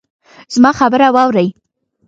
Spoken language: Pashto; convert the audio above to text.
زما خبره واورئ